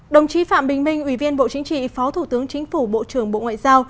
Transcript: đồng chí phạm bình minh ủy viên bộ chính trị phó thủ tướng chính phủ bộ trưởng bộ ngoại giao